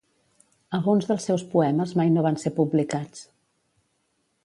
Alguns dels seus poemes mai no van ser publicats.